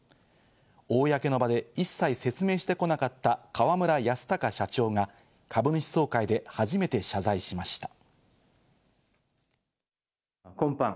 公の場で一切説明してこなかった河村泰貴社長が、株主総会で初めて謝罪しました。